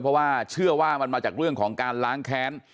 เพราะว่าเชื่อว่ามันมาจากเรื่องของการล้างแค้น